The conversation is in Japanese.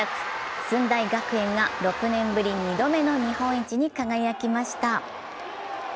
駿台学園が６年ぶり２度目の日本一に輝きました。